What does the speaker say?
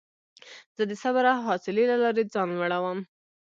زه د صبر او حوصلې له لارې ځان لوړوم.